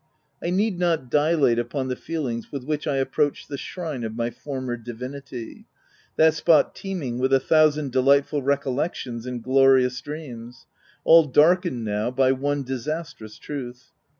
I need not dilate upon the feelings with which I approached the shrine of my former divinity — that spot teeming with a thousand delightful recollections and glorious dreams — all darkened now, by one disastrous truth.